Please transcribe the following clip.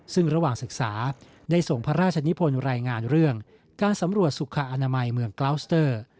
ซึ่งระหว่างศึกษาได้ส่งพระราชนิพลรายงานเรื่องการสำรวจสุขอนามัยเมืองกลาวสเตอร์